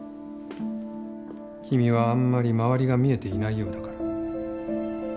君はあんまり周りが見えていないようだから。